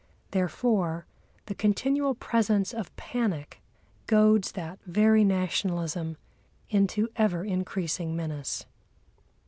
Therefore the continual presence of panic goads that very nationalism into ever increasing menace.